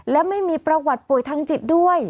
และไม่มีประวัติป่วยทางจิตด้วย